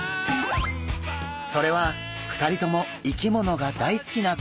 それは２人とも生き物が大好きなこと。